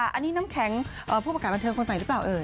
อันนี้น้ำแข็งผู้ประกาศบันเทิงคนใหม่หรือเปล่าเอ่ย